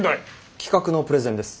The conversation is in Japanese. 企画のプレゼンです。